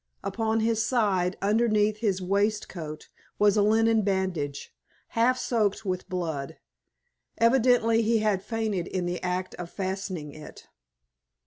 Upon his side, underneath his waistcoat, was a linen bandage, half soaked with blood. Evidently he had fainted in the act of fastening it.